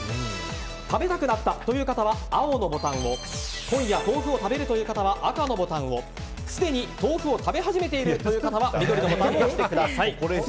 食べたくなったという方は青のボタンを今夜豆腐を食べるという方は赤のボタンをすでに食べ始めているという方は緑のボタンを押してください。